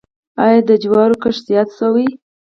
آیا د جوارو کښت زیات شوی؟